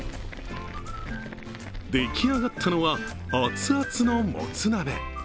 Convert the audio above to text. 出来上がったのは熱々のもつ鍋。